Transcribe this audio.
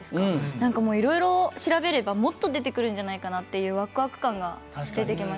何かもういろいろ調べればもっと出てくるんじゃないかなっていうワクワク感が出てきます。